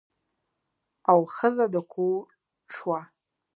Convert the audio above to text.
او ښځه د کور شوه.